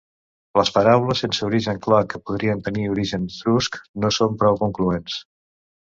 Les paraules sense origen clar que podrien tenir origen etrusc no són prou concloents.